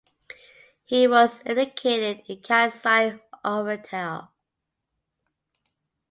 He was educated in Kasai Oriental.